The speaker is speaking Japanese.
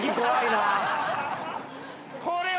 これは。